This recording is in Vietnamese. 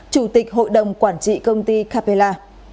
chủ tịch hội đồng quản trị công ty capella